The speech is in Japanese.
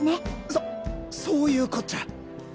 そそういうこっちゃ！